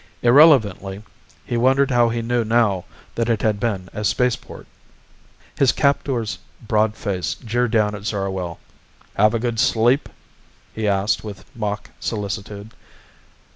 Irrelevantly he wondered how he knew now that it had been a spaceport. His captor's broad face jeered down at Zarwell. "Have a good sleep?" he asked with mock solicitude.